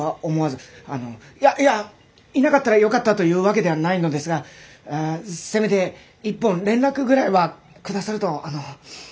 あのいやいやいなかったらよかったというわけではないのですがせめて一本連絡ぐらいは下さるとあの。